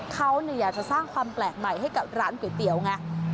เขาอยากจะสร้างความแปลกใหม่ให้กับร้านก๋วยเตี๋ยวไง